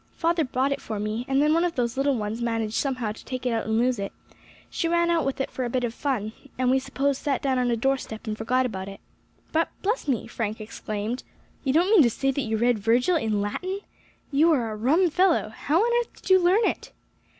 Father bought it for me, and then one of the little ones managed somehow to take it out and lose it; she ran out with it for a bit of fun, and we suppose sat down on a doorstep and forgot it." "But, bless me," Frank exclaimed, "you don't mean to say that you read Virgil in Latin! You are a rum fellow. How on earth did you learn it?"